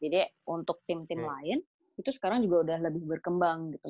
jadi untuk tim tim lain itu sekarang juga udah lebih berkembang gitu